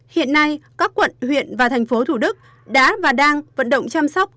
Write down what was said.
hiện nay các quận huyện và thành phố thủ đức đã và đang vận động chăm sóc